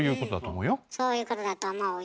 そういうことだと思うよ。